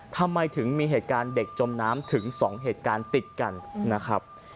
ทำไมถึงมีเหตุการณ์เด็กจมน้ำถึง๒เหตุการณ์ติดกันนะครับ